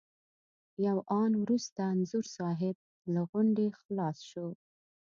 یو آن وروسته انځور صاحب له غونډې خلاص شو.